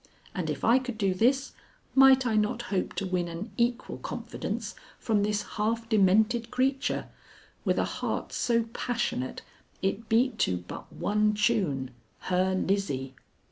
and if I could do this, might I not hope to win an equal confidence from this half demented creature, with a heart so passionate it beat to but one tune, her Lizzie?